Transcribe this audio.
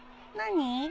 何？